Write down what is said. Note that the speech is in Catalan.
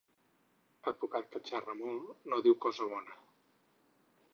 Advocat que xerra molt, no diu cosa bona.